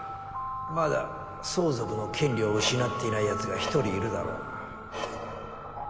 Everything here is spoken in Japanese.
まだ相続の権利を失っていない奴が１人いるだろ？